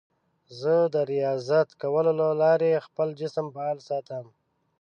زه د ریاضت کولو له لارې خپل جسم فعال ساتم.